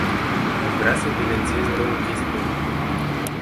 Aș vrea să evidențiez două chestiuni.